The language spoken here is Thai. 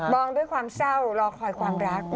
องด้วยความเศร้ารอคอยความรัก